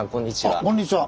あっこんにちは。